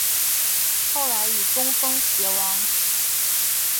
后来以功封偕王。